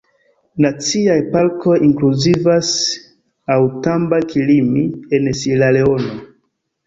Naciaj parkoj inkluzivas "Outamba-Kilimi" en Sieraleono.